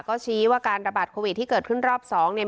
ก็ชี้ว่าการระบาดโควิดที่เกิดขึ้นรอบสองเนี่ย